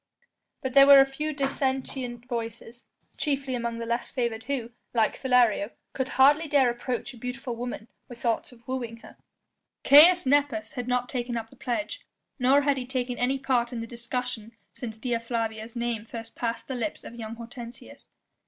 But there were a few dissentient voices, chiefly among the less favoured who, like Philario, could hardly dare approach a beautiful woman with thoughts of wooing her. Caius Nepos had not taken up the pledge, nor had he taken any part in the discussion since Dea Flavia's name first passed the lips of young Hortensius.